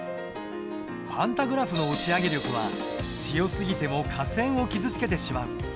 パンタグラフの押し上げ力は強すぎても架線を傷つけてしまう。